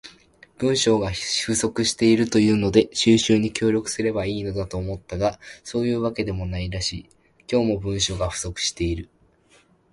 文章が不足しているというので収集に協力すれば良いのだと思ったが、そういうわけでもないらしい。今日も、文章が不足している。